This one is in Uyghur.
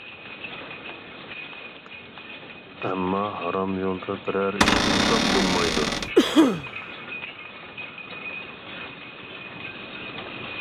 ئەمما ھارام يولدا بىرەر ئىش قىلساق بولمايدۇ.